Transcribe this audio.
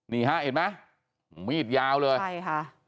นี่ฮะเห็นไหมมีดยาวเลยใช่ค่ะ